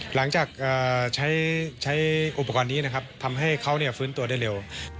หลังจากใช้อุปกรณ์นี้นะครับทำให้เขาฟื้นตัวได้เร็ว